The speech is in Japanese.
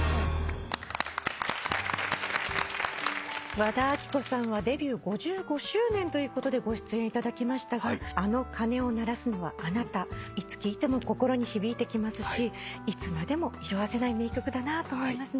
和田アキ子さんはデビュー５５周年ということでご出演いただきましたが『あの鐘を鳴らすのはあなた』いつ聴いても心に響いてきますしいつまでも色あせない名曲だなと思いますね。